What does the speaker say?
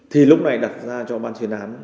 thì lúc này đặt ra cho ban chuyên án